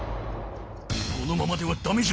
このままではだめじゃ！